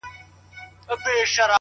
زما پښتون زما ښايسته اولس ته-